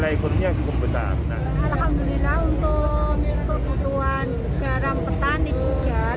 baik untuk memenuhi kebutuhan masyarakat kabupaten brebes maupun ikan nasional